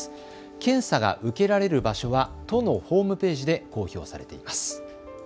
検査が受けられる場所は都のホームページで公表されています。